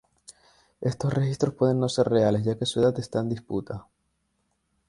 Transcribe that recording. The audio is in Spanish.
Estos registros pueden no ser reales ya que su edad está en disputa.